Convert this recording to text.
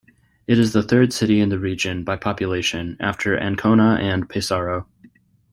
It is the third city in the region by population after Ancona and Pesaro.